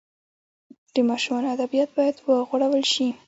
د ماشومانو ادبیات باید وغوړول سي.